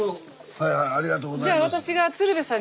はいはいありがとうございます。